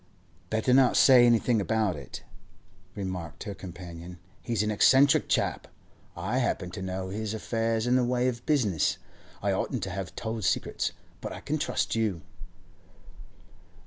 'Better not say anything about it,' remarked her companion. 'He's an eccentric chap. I happen to know his affairs in the way of business. I oughtn't to have told secrets, but I can trust you.